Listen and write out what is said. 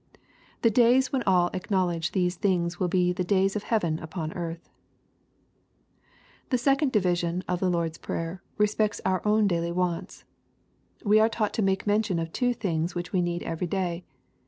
The days when all acknowl edge these things will be the " days of heaven upon earth/' The second division of the Lord's Prayer respects our own daily wants. We are taught to make mention of two things which we need every day.